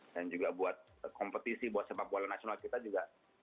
dan juga buat kompetisi sepak bola nasional kita juga